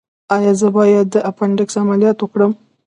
ایا زه باید د اپنډکس عملیات وکړم؟